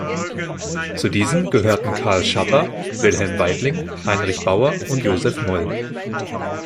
Zu diesem gehörten Karl Schapper, Wilhelm Weitling, Heinrich Bauer und Joseph Moll.